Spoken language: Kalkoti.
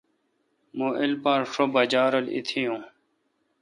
مہ ایلپار شو بجا رل اتییون